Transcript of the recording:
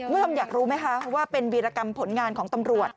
อยากรู้ไหมคะว่าเป็นวีรกรรมผลงานของตำรวจ